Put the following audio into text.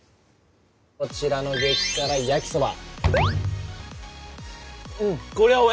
こちらの激辛焼きそば。